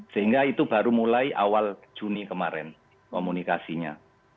sehingga itu baru mulai awal juni kemarin komunikasinya